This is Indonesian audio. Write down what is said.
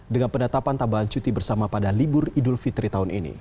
dengan penetapan tambahan cuti bersama pada libur idul fitri tahun ini